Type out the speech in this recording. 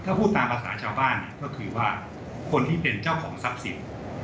ถ้าพูดตามภาษาชาวบ้านเนี่ยก็คือว่าคนที่เป็นเจ้าของทรัพย์สิน